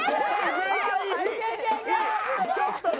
ちょっと。